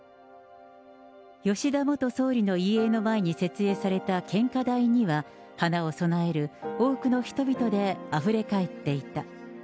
吉田元総理の遺影の前に設営された献花台には、花を供える多くの人々であふれ返っていた。